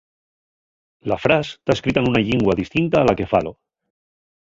La fras ta escrita nuna llingua distinta a la que falo.